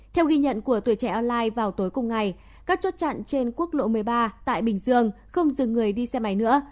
theo ghi nhận của tuổi trẻ online vào tối cùng ngày các chốt chặn trên quốc lộ một mươi ba tại bình dương không dừng người đi xe máy nữa